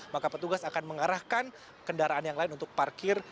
maka petugas akan mengarahkan kendaraan yang lain untuk parkir